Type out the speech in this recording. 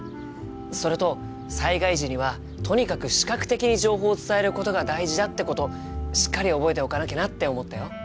それと災害時にはとにかく視覚的に情報を伝えることが大事だってことしっかり覚えておかなきゃなって思ったよ。